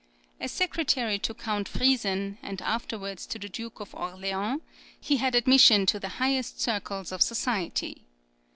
As secretary to Count Friesen, and afterwards to the Duke of Orleans, he had admission to the highest circles of society.